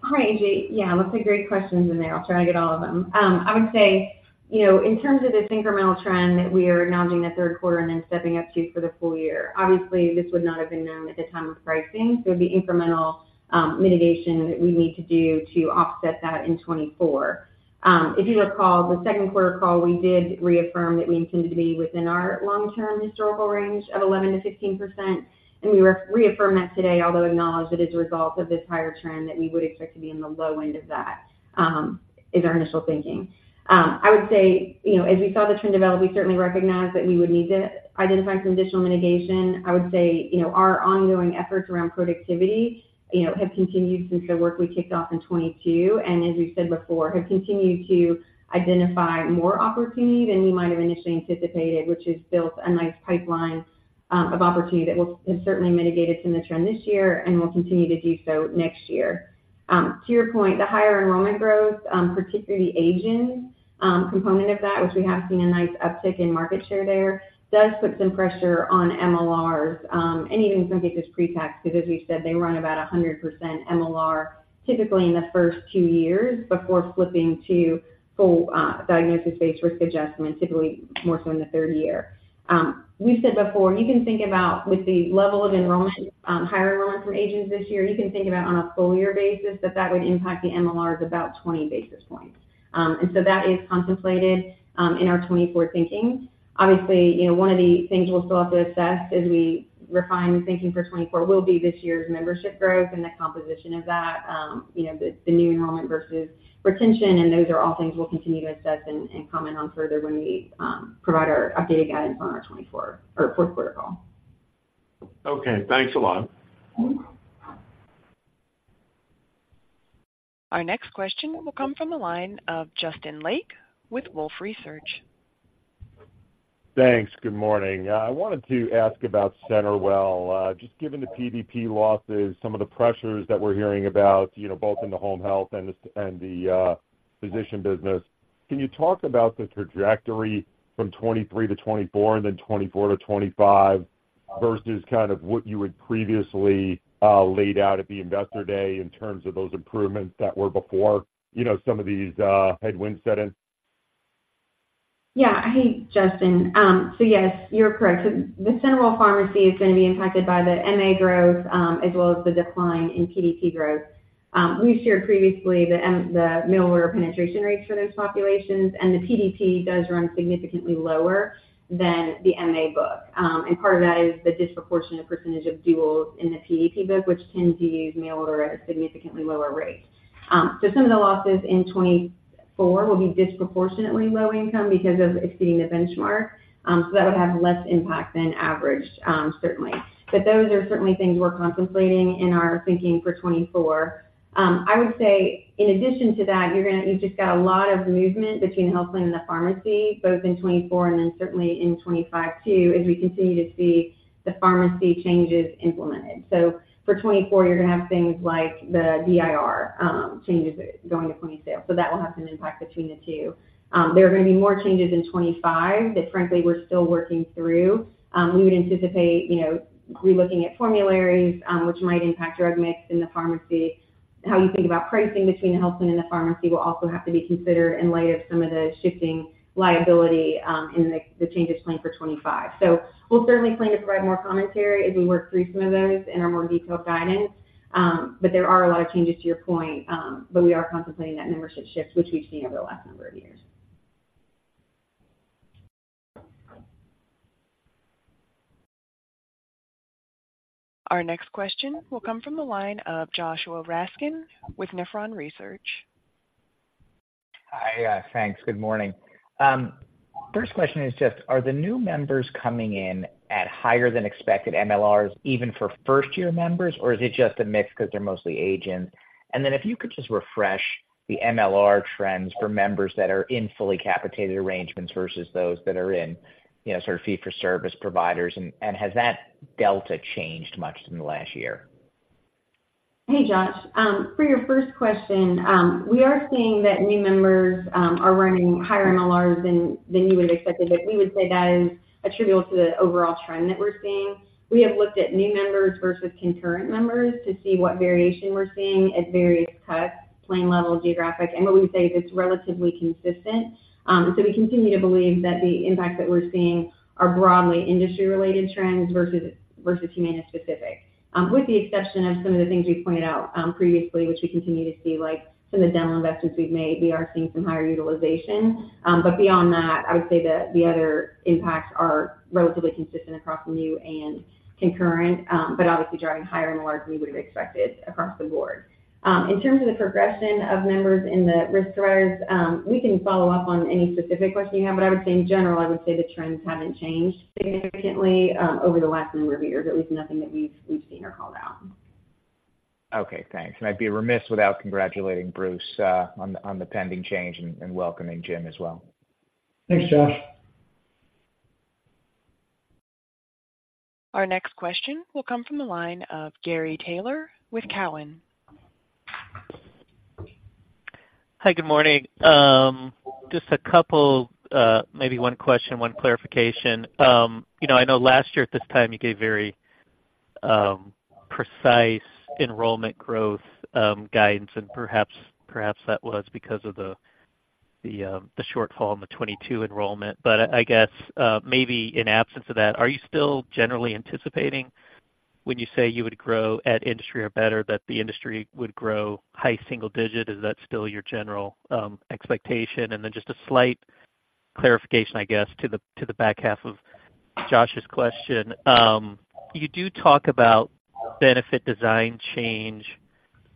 Hi, A.J. Yeah, looks like great questions in there. I'll try to get all of them. I would say, you know, in terms of this incremental trend that we are announcing in the third quarter and then stepping up to for the full-year, obviously, this would not have been known at the time of pricing, so it'd be incremental mitigation that we need to do to offset that in 2024. If you recall, the second quarter call, we did reaffirm that we intended to be within our long-term historical range of 11%-15%, and we reaffirm that today, although acknowledge that as a result of this higher trend, that we would expect to be in the low end of that is our initial thinking. I would say, you know, as we saw the trend develop, we certainly recognized that we would need to identify some additional mitigation. I would say, you know, our ongoing efforts around productivity, you know, have continued since the work we kicked off in 2022, and as we said before, have continued to identify more opportunity than we might have initially anticipated, which has built a nice pipeline, of opportunity that will have certainly mitigated some of the trend this year and will continue to do so next year. To your point, the higher enrollment growth, particularly age-ins component of that, which we have seen a nice uptick in market share there, does put some pressure on MLRs, and even some of it is pretax, because as we said, they run about 100% MLR, typically in the first two years before flipping to full, diagnosis-based risk adjustment, typically more so in the third year. We've said before, you can think about with the level of enrollment, higher enrollment from age-ins this year, you can think about on a full-year basis, that that would impact the MLRs about 20 basis points. And so that is contemplated, in our 2024 thinking. Obviously, you know, one of the things we'll still have to assess as we refine thinking for 2024 will be this year's membership growth and the composition of that, you know, the new enrollment versus retention, and those are all things we'll continue to assess and comment on further when we provide our updated guidance on our 2024 or fourth quarter call. Okay, thanks a lot. Our next question will come from the line of Justin Lake with Wolfe Research. Thanks. Good morning. I wanted to ask about CenterWell. Just given the PDP losses, some of the pressures that we're hearing about, you know, both in the home health and the physician business, can you talk about the trajectory from 2023-2024, and then 2024-2025, versus kind of what you had previously laid out at the Investor Day in terms of those improvements that were before, you know, some of these headwinds set in? Yeah. Hey, Justin. So yes, you're correct. The CenterWell Pharmacy is going to be impacted by the MA growth, as well as the decline in PDP growth. We've shared previously the mail order penetration rates for those populations, and the PDP does run significantly lower than the MA book. And part of that is the disproportionate percentage of duals in the PDP book, which tends to use mail order at a significantly lower rate. So some of the losses in 2024 will be disproportionately low-income because of exceeding the benchmark. So that would have less impact than average, certainly. But those are certainly things we're contemplating in our thinking for 2024. I would say in addition to that, you've just got a lot of movement between the health plan and the pharmacy, both in 2024 and then certainly in 2025 too, as we continue to see the pharmacy changes implemented. So for 2024, you're going to have things like the DIR changes going to point-of-sale, so that will have some impact between the two. There are going to be more changes in 2025 that, frankly, we're still working through. We would anticipate, you know, relooking at formularies, which might impact drug mix in the pharmacy. How you think about pricing between the health plan and the pharmacy will also have to be considered in light of some of the shifting liability, in the change of plan for 2025. We'll certainly plan to provide more commentary as we work through some of those in our more detailed guidance. There are a lot of changes to your point, but we are contemplating that membership shift, which we've seen over the last number of years. Our next question will come from the line of Joshua Raskin with Nephron Research. Hi, thanks. Good morning. First question is just, are the new members coming in at higher than expected MLRs, even for first-year members, or is it just a mix because they're mostly age-ins? And then if you could just refresh the MLR trends for members that are in fully capitated arrangements versus those that are in, you know, sort of fee-for-service providers, and has that delta changed much in the last year? Hey, Josh. For your first question, we are seeing that new members are running higher MLRs than you would have expected, but we would say that is attributable to the overall trend that we're seeing. We have looked at new members versus concurrent members to see what variation we're seeing at various cuts, plan level, geographic, and what we'd say is it's relatively consistent. So we continue to believe that the impact that we're seeing are broadly industry-related trends versus Humana-specific. With the exception of some of the things we pointed out previously, which we continue to see, like some of the dental investments we've made, we are seeing some higher utilization. But beyond that, I would say that the other impacts are relatively consistent across new and concurrent, but obviously driving higher MLRs than we would have expected across the board. In terms of the progression of members in the risk trends, we can follow up on any specific question you have, but I would say in general, I would say the trends haven't changed significantly over the last number of years, at least nothing that we've seen or called out. Okay, thanks. I'd be remiss without congratulating Bruce on the pending change and welcoming Jim as well. Thanks, Josh. Our next quest ion will come from the line of Gary Taylor with Cowen. Hi, good morning. Just a couple, maybe one question, one clarification. You know, I know last year at this time, you gave very precise enrollment growth guidance, and perhaps that was because of the shortfall in the 2022 enrollment. But I guess, maybe in absence of that, are you still generally anticipating when you say you would grow at industry or better, that the industry would grow high single-digit? Is that still your general expectation? And then just a slight clarification, I guess, to the back half of Josh's question. You do talk about benefit design change,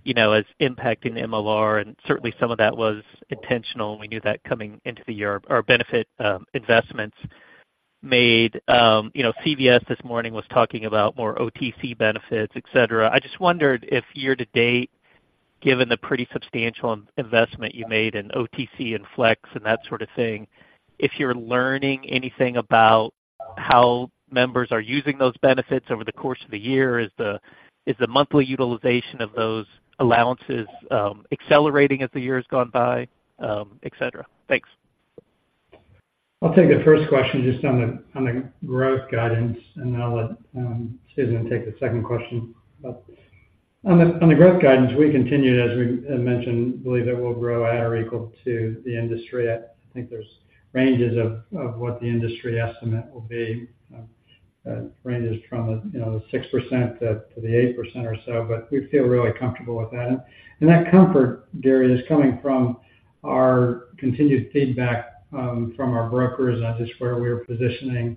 you know, as impacting MLR, and certainly some of that was intentional. We knew that coming into the year or benefit investments made. You know, CVS this morning was talking about more OTC benefits, et cetera. I just wondered if year-to-date, given the pretty substantial investment you made in OTC and Flex and that sort of thing, if you're learning anything about how members are using those benefits over the course of the year, is the monthly utilization of those allowances accelerating as the year has gone by, et cetera? Thanks. I'll take the first question just on the, on the growth guidance, and then I'll let, Susan take the second question. But on the, on the growth guidance, we continue, as we mentioned, believe it will grow at or equal to the industry. I think there's ranges of, of what the industry estimate will be, ranges from, you know, the 6% to, to the 8% or so, but we feel really comfortable with that. And that comfort, Gary, is coming from our continued feedback, from our brokers as to where we're positioning,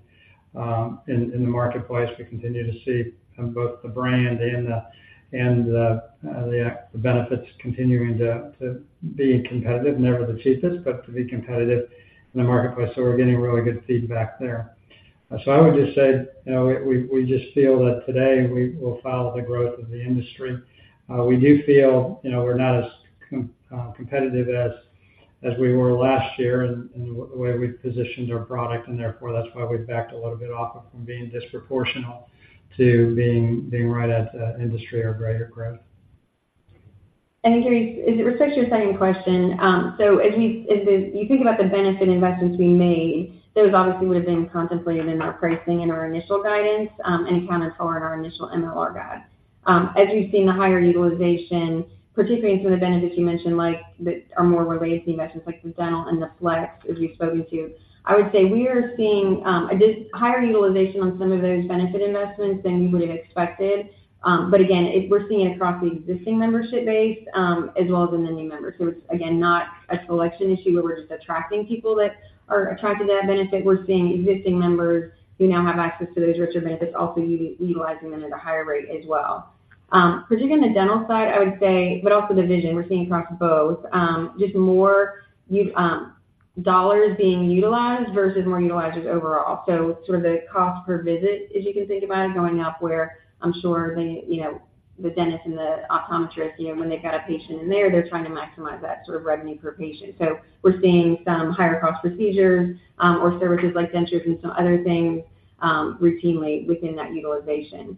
in, in the marketplace. We continue to see both the brand and the, and the, the benefits continuing to, to be competitive, never the cheapest, but to be competitive in the marketplace. So we're getting really good feedback there. So I would just say, you know, we just feel that today we will follow the growth of the industry. We do feel, you know, we're not as competitive as we were last year in the way we positioned our product, and therefore that's why we backed a little bit off from being disproportional to being right at the industry or greater growth. Gary, with respect to your second question, so as you think about the benefit investments we made, those obviously would have been contemplated in our pricing and our initial guidance, and accounted for in our initial MLR guide. As we've seen the higher utilization, particularly in some of the benefits you mentioned, like that are more related to the investments like the dental and the Flex, as we've spoken to, I would say we are seeing a higher utilization on some of those benefit investments than you would have expected. But again, we're seeing it across the existing membership base, as well as in the new members. So it's, again, not a selection issue where we're just attracting people that are attracted to that benefit. We're seeing existing members who now have access to those richer benefits, also utilizing them at a higher rate as well. Particularly on the dental side, I would say, but also the vision we're seeing across both, just more dollars being utilized versus more utilizers overall. So sort of the cost per visit, as you can think about it, going up, where I'm sure the, you know, the dentist and the optometrist, you know, when they've got a patient in there, they're trying to maximize that sort of revenue per patient. So we're seeing some higher cost procedures, or services like dentures and some other things routinely within that utilization.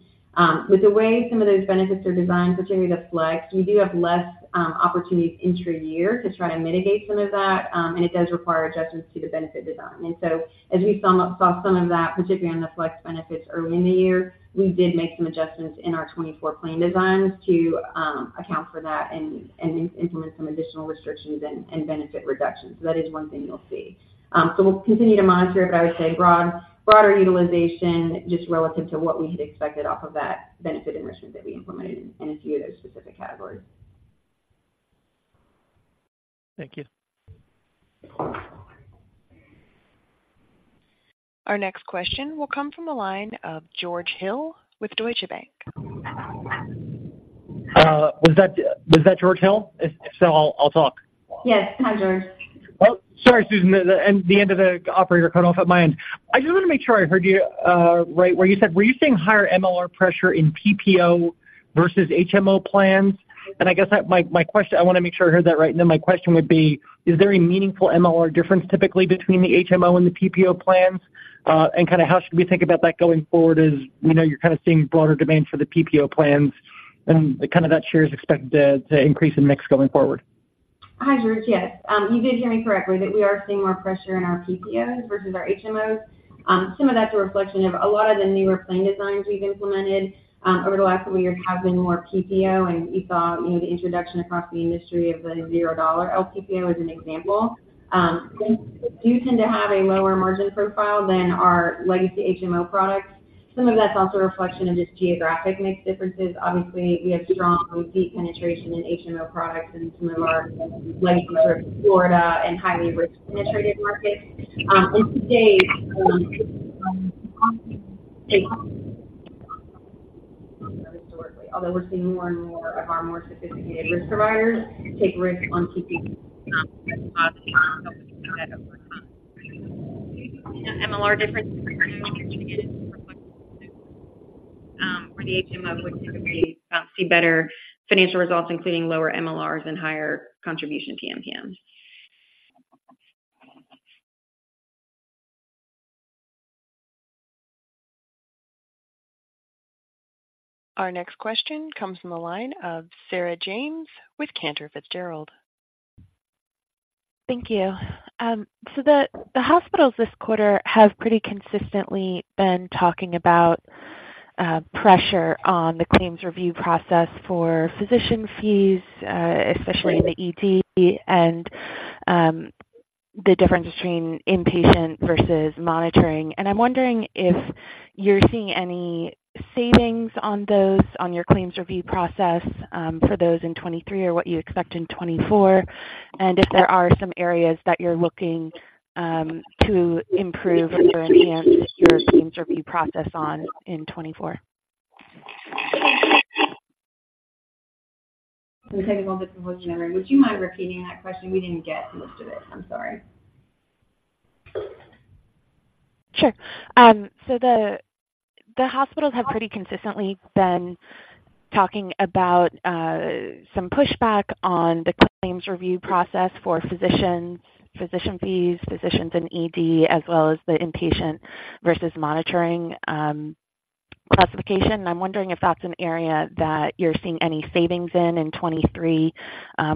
With the way some of those benefits are designed, particularly the Flex, we do have less opportunities intra-year to try to mitigate some of that, and it does require adjustments to the benefit design. And so as we saw some of that, particularly on the Flex benefits early in the year, we did make some adjustments in our 2024 plan designs to account for that and implement some additional restrictions and benefit reductions. So that is one thing you'll see. So we'll continue to monitor it, but I would say broader utilization, just relative to what we had expected off of that benefit enrichment that we implemented in a few of those specific categories. Thank you. Our next question will come from the line of George Hill with Deutsche Bank. Was that George Hill? If so, I'll talk. Yes. Hi, George. Well, sorry, Susan. And the end of the operator cut off at my end. I just want to make sure I heard you right, where you said... Were you saying higher MLR pressure in PPO versus HMO plans? And I guess that my question, I want to make sure I heard that right, and then my question would be: Is there a meaningful MLR difference typically between the HMO and the PPO plans? And kind of how should we think about that going forward, as we know you're kind of seeing broader demand for the PPO plans, and kind of that share is expected to increase in mix going forward? Hi, George. Yes. You did hear me correctly, that we are seeing more pressure in our PPOs versus our HMOs. Some of that's a reflection of a lot of the newer plan designs we've implemented over the last couple years have been more PPO, and you saw, you know, the introduction across the industry of the zero dollar LPPO as an example. They do tend to have a lower margin profile than our legacy HMO products. Some of that's also a reflection of just geographic mix differences. Obviously, we have strong deep penetration in HMO products in some of our legacy sort of Florida and highly risk-penetrated markets. And today, historically, although we're seeing more and more of our more sophisticated risk providers take risk on PPO, MLR difference for the HMO, which we see better financial results, including lower MLRs and higher contribution PMPMs. Our next question comes from the line of Sarah James with Cantor Fitzgerald. Thank you. So the hospitals this quarter have pretty consistently been talking about pressure on the claims review process for physician fees, especially in the ED, and the difference between inpatient versus monitoring. And I'm wondering if you're seeing any savings on those, on your claims review process, for those in 2023 or what you expect in 2024, and if there are some areas that you're looking to improve or enhance your claims review process on in 2024? We take a little bit from everyone. Would you mind repeating that question? We didn't get most of it. I'm sorry. Sure. So the hospitals have pretty consistently been talking about some pushback on the claims review process for physicians, physician fees, physicians in ED, as well as the inpatient versus monitoring classification. I'm wondering if that's an area that you're seeing any savings in 2023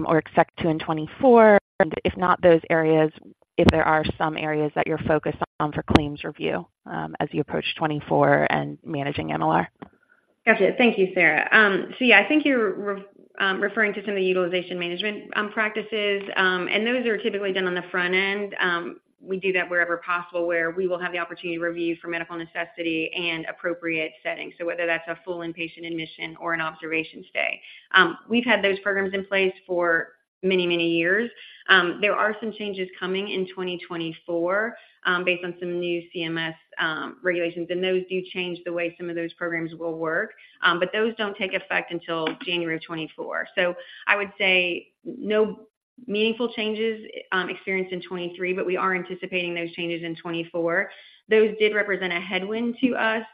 or expect to in 2024. If not those areas, if there are some areas that you're focused on for claims review as you approach 2024 and managing MLR. Gotcha. Thank you, Sarah. So yeah, I think you're referring to some of the utilization management practices, and those are typically done on the front end. We do that wherever possible, where we will have the opportunity to review for medical necessity and appropriate settings. So whether that's a full inpatient admission or an observation stay. We've had those programs in place for many, many years. There are some changes coming in 2024, based on some new CMS regulations, and those do change the way some of those programs will work. But those don't take effect until January 2024. So I would say no meaningful changes experienced in 2023, but we are anticipating those changes in 2024. Those did represent a headwind to us,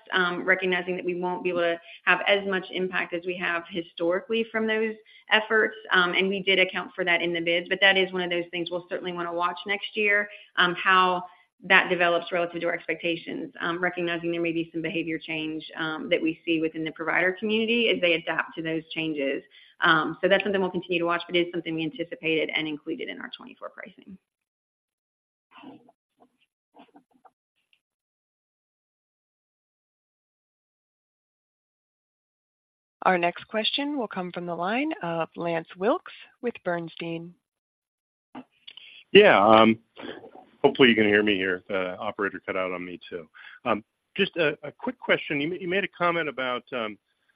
recognizing that we won't be able to have as much impact as we have historically from those efforts. And we did account for that in the bids, but that is one of those things we'll certainly want to watch next year, how that develops relative to our expectations, recognizing there may be some behavior change that we see within the provider community as they adapt to those changes. So that's something we'll continue to watch, but it's something we anticipated and included in our 2024 pricing. Our next question will come from the line of Lance Wilkes with Bernstein. Yeah, hopefully, you can hear me here. The operator cut out on me, too. Just a quick question. You made a comment about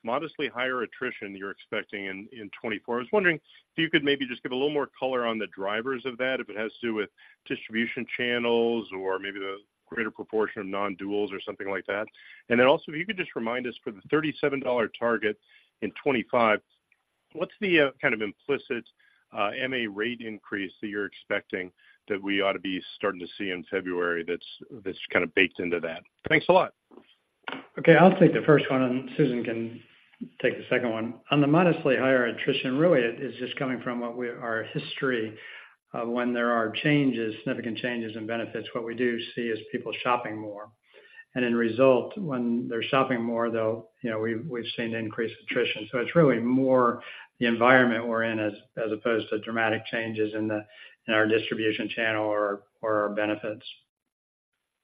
modestly higher attrition you're expecting in 2024. I was wondering if you could maybe just give a little more color on the drivers of that, if it has to do with distribution channels or maybe the greater proportion of non-duals or something like that. And then also, if you could just remind us, for the $37 target in 2025, what's the kind of implicit MA rate increase that you're expecting that we ought to be starting to see in February that's kind of baked into that? Thanks a lot. Okay, I'll take the first one, and Susan can take the second one. On the modestly higher attrition, really, it is just coming from our history of when there are changes, significant changes in benefits, what we do see is people shopping more. And in result, when they're shopping more, though, you know, we've seen increased attrition. So it's really more the environment we're in as opposed to dramatic changes in our distribution channel or our benefits.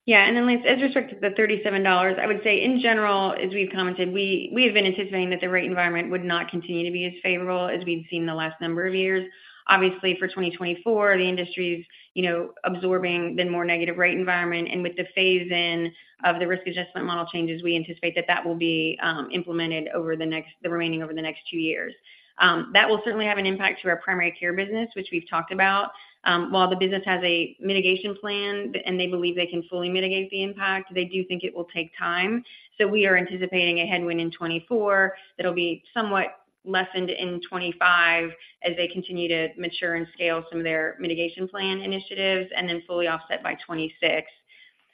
Yeah, and then, Lance, as restricted to the $37, I would say, in general, as we've commented, we, we have been anticipating that the rate environment would not continue to be as favorable as we've seen the last number of years. Obviously, for 2024, the industry's, you know, absorbing the more negative rate environment, and with the phase in of the risk adjustment model changes, we anticipate that that will be implemented over the next, the remaining over the next two years. That will certainly have an impact to our primary care business, which we've talked about. While the business has a mitigation plan, and they believe they can fully mitigate the impact, they do think it will take time. So we are anticipating a headwind in 2024 that'll be somewhat lessened in 2025 as they continue to mature and scale some of their mitigation plan initiatives, and then fully offset by 2026.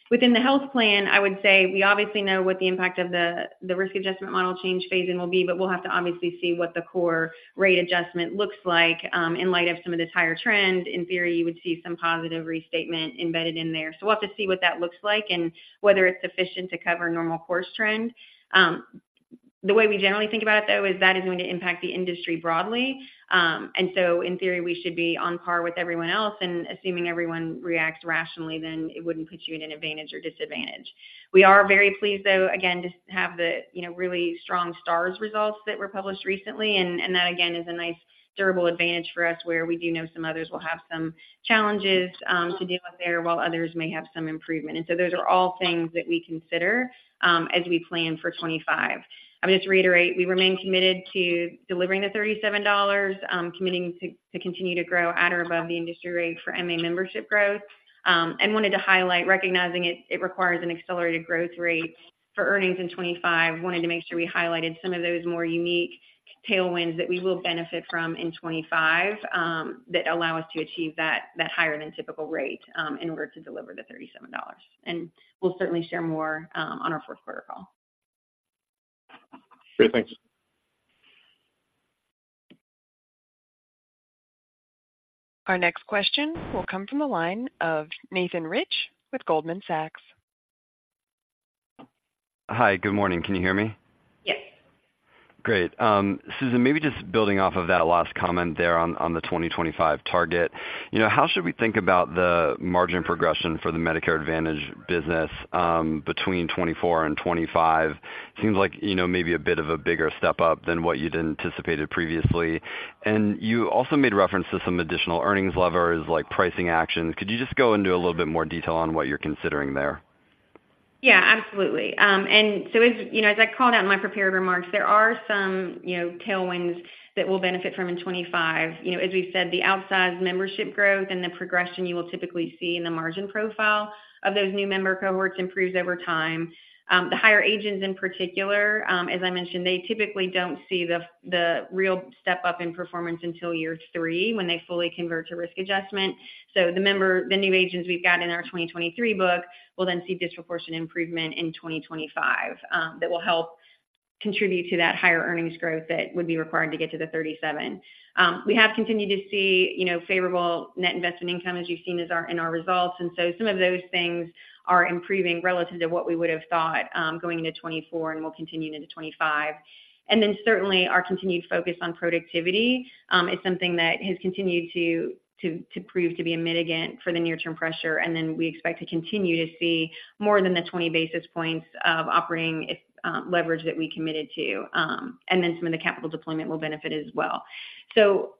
Within the Health Plan, I would say we obviously know what the impact of the risk adjustment model change phase in will be, but we'll have to obviously see what the core rate adjustment looks like, in light of some of this higher trend. In theory, you would see some positive restatement embedded in there. So we'll have to see what that looks like and whether it's sufficient to cover normal course trend. The way we generally think about it, though, is that is going to impact the industry broadly. And so in theory, we should be on par with everyone else, and assuming everyone reacts rationally, then it wouldn't put you in an advantage or disadvantage. We are very pleased, though, again, to have the, you know, really strong Stars results that were published recently, and, and that, again, is a nice durable advantage for us, where we do know some others will have some challenges to deal with there, while others may have some improvement. And so those are all things that we consider as we plan for 25. I would just reiterate, we remain committed to delivering the $37, committing to continue to grow at or above the industry rate for MA membership growth. And wanted to highlight, recognizing it, it requires an accelerated growth rate for earnings in 2025. Wanted to make sure we highlighted some of those more unique tailwinds that we will benefit from in 2025, that allow us to achieve that higher than typical rate in order to deliver the $37. And we'll certainly share more on our fourth quarter call. Great. Thanks. Our next question will come from the line of Nathan Rich with Goldman Sachs. Hi, good morning. Can you hear me? Yes. Great. Susan, maybe just building off of that last comment there on, on the 2025 target. You know, how should we think about the margin progression for the Medicare Advantage business, between 2024 and 2025? Seems like, you know, maybe a bit of a bigger step up than what you'd anticipated previously. And you also made reference to some additional earnings levers, like pricing actions. Could you just go into a little bit more detail on what you're considering there? Yeah, absolutely. And so as, you know, as I called out in my prepared remarks, there are some, you know, tailwinds that we'll benefit from in 2025. You know, as we've said, the outsized membership growth and the progression you will typically see in the margin profile of those new member cohorts improves over time. The higher age-ins in particular, as I mentioned, they typically don't see the real step-up in performance until year three, when they fully convert to risk adjustment. So the member, the new age-ins we've got in our 2023 book will then see disproportionate improvement in 2025, that will help contribute to that higher earnings growth that would be required to get to the $37. We have continued to see, you know, favorable net investment income, as you've seen in our results. And so some of those things are improving relative to what we would have thought, going into 2024 and will continue into 2025. And then certainly our continued focus on productivity is something that has continued to prove to be a mitigant for the near-term pressure. And then we expect to continue to see more than the 20 basis points of operating leverage that we committed to, and then some of the capital deployment will benefit as well. So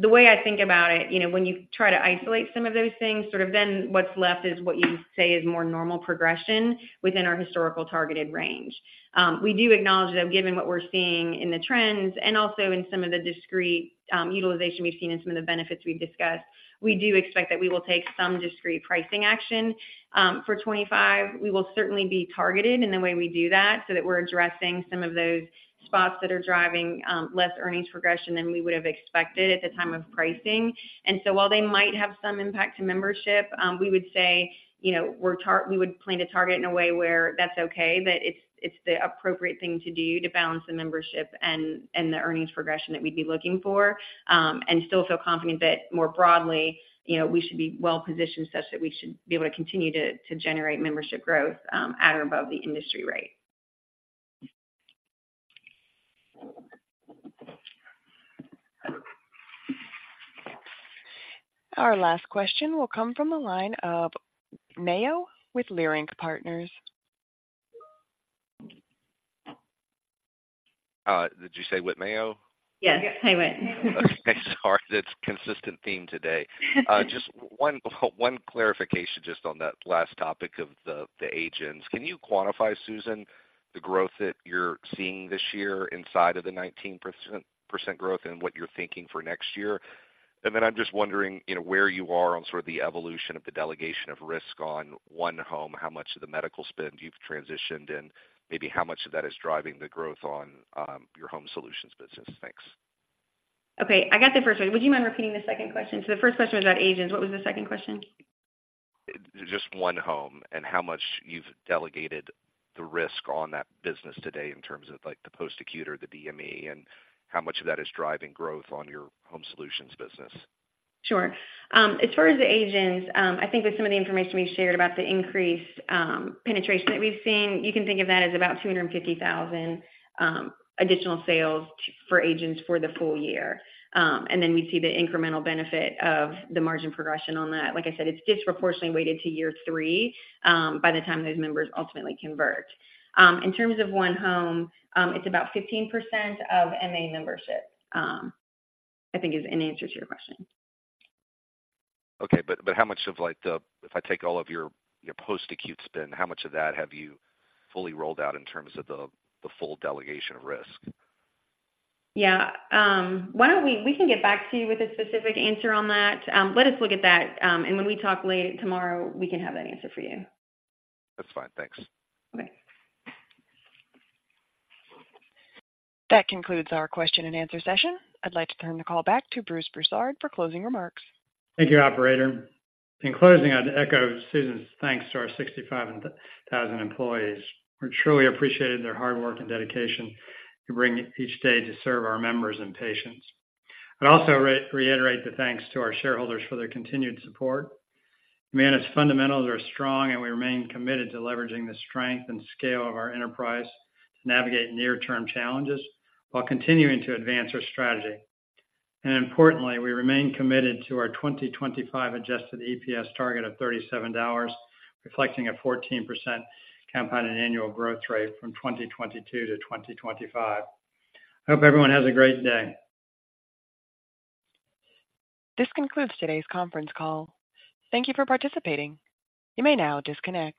the way I think about it, you know, when you try to isolate some of those things, sort of then what's left is what you say is more normal progression within our historical targeted range. We do acknowledge, though, given what we're seeing in the trends and also in some of the discrete, utilization we've seen in some of the benefits we've discussed, we do expect that we will take some discrete pricing action. For 2025, we will certainly be targeted in the way we do that, so that we're addressing some of those spots that are driving, less earnings progression than we would have expected at the time of pricing. So while they might have some impact to membership, we would say, you know, we would plan to target in a way where that's okay, that it's the appropriate thing to do to balance the membership and the earnings progression that we'd be looking for, and still feel confident that more broadly, you know, we should be well positioned such that we should be able to continue to generate membership growth at or above the industry rate. Our last question will come from the line of Mayo with Leerink Partners. Did you say Whit Mayo? Yes, it's Whit. Okay, sorry. It's a consistent theme today. Just one clarification just on that last topic of the age-ins. Can you quantify, Susan, the growth that you're seeing this year inside of the 19% growth and what you're thinking for next year? And then I'm just wondering, you know, where you are on sort of the evolution of the delegation of risk on OneHome, how much of the medical spend you've transitioned, and maybe how much of that is driving the growth on your Home Solutions business? Thanks. Okay, I got the first one. Would you mind repeating the second question? So the first question was about age-ins. What was the second question? Just OneHome, and how much you've delegated the risk on that business today in terms of, like, the post-acute or the DME, and how much of that is driving growth on your home solutions business? Sure. As far as the age-ins, I think with some of the information we shared about the increased penetration that we've seen, you can think of that as about 250,000 additional sales for age-ins for the full-year. And then we see the incremental benefit of the margin progression on that. Like I said, it's disproportionately weighted to year three, by the time those members ultimately convert. In terms of OneHome, it's about 15% of MA membership, I think is in answer to your question. Okay, but how much of, like, the if I take all of your post-acute spend, how much of that have you fully rolled out in terms of the full delegation of risk? Yeah. Why don't we get back to you with a specific answer on that. Let us look at that, and when we talk later tomorrow, we can have that answer for you. That's fine. Thanks. Okay. That concludes our question and answer session. I'd like to turn the call back to Bruce Broussard for closing remarks. Thank you, operator. In closing, I'd echo Susan's thanks to our 65,000 employees. We truly appreciate their hard work and dedication to bring each day to serve our members and patients. I'd also reiterate the thanks to our shareholders for their continued support. Humana's fundamentals are strong, and we remain committed to leveraging the strength and scale of our enterprise to navigate near-term challenges while continuing to advance our strategy. Importantly, we remain committed to our 2025 adjusted EPS target of $37, reflecting a 14% compound annual growth rate from 2022-2025. I hope everyone has a great day. This concludes today's conference call. Thank you for participating. You may now disconnect.